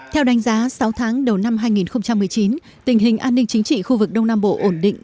theo đánh giá sáu tháng đầu năm hai nghìn một mươi chín tình hình an ninh chính trị khu vực đông nam bộ ổn định